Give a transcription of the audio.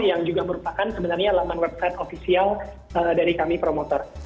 yang juga merupakan sebenarnya laman website ofisial dari kami promotor